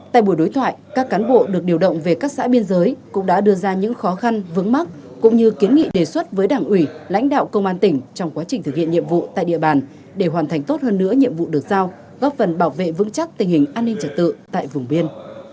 tại buổi đối thoại các cán bộ được điều động về các xã biên giới cũng đã đưa ra những khó khăn vướng mắt cũng như kiến nghị đề xuất với đảng ủy lãnh đạo công an tỉnh trong quá trình thực hiện nhiệm vụ tại địa bàn để hoàn thành tốt hơn nữa nhiệm vụ được giao góp phần bảo vệ vững chắc tình hình an ninh trật tự tại vùng biên